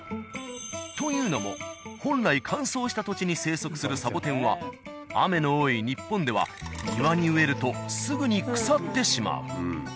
というのも本来乾燥した土地に生息するサボテンは雨の多い日本では庭に植えるとすぐに腐ってしまう。